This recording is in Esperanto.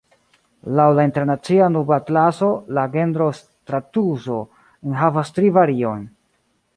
Laŭ la Internacia Nubatlaso, la genro stratuso enhavas tri variojn.